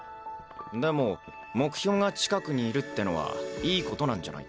でも目標が近くにいるってのはいいことなんじゃないか？